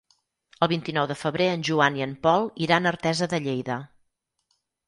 El vint-i-nou de febrer en Joan i en Pol iran a Artesa de Lleida.